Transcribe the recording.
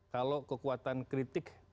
kalau kekuatan kritik